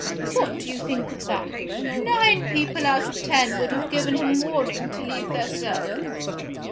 What do you think of that? Nine people out of ten would have given him warning to leave their service.